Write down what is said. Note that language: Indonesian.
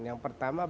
yang pertama barang